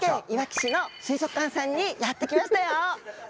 福島県いわき市の水族館さんにやって来ましたよ。